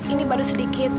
ini baru sedikit